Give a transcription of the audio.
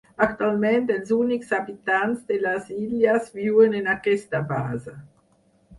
Actualment els únics habitants de les illes viuen en aquesta base.